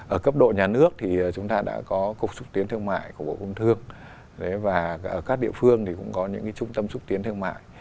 ở cấp độ nhà nước thì chúng ta đã có cục xúc tiến thương mại của bộ công thương và ở các địa phương thì cũng có những trung tâm xúc tiến thương mại